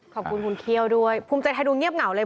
ขอบคุณคุณเขี้ยวด้วยภูมิใจไทยดูเงียบเหงาเลย